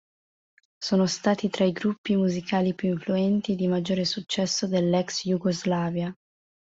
Sono stati tra i gruppi musicali più influenti e di maggiore successo dell'Ex Jugoslavia.